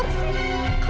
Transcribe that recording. kau kan lu jeboo